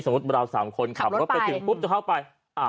สมมุติว่าเรา๓คนขับรถไปทิ้งปุ๊บจะเข้าไป